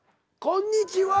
こんにちは。